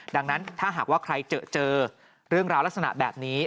ดังนั้นถ้าหากว่าใครเจอเรื่องราวลักษณะแบบนี้